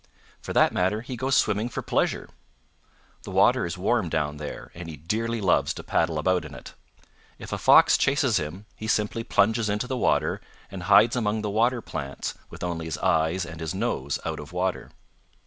For that matter, he goes swimming for pleasure. The water is warm down there, and he dearly loves to paddle about in it. If a Fox chases him he simply plunges into the water and hides among the water plants with only his eyes and his nose out of water."